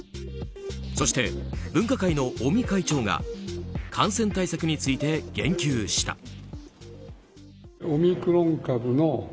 そして、分科会の尾身会長が感染対策について言及した。